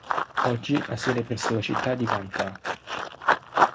Oggi ha sede presso la città di Vantaa.